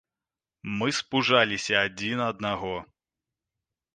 Мы спужаліся адзін аднаго.